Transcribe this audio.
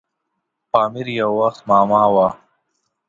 پامیر یو وخت معما وه.